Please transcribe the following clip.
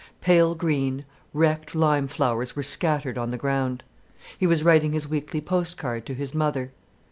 Pale green, wrecked lime flowers were scattered on the ground. He was writing his weekly post card to his mother.